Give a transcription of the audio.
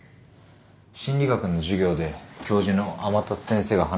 心理学の授業で教授の天達先生が話してたんです。